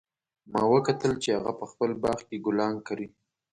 ما وکتل چې هغه په خپل باغ کې ګلان کري